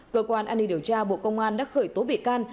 cơ quan an ninh điều tra bộ công an đã khởi tố bị can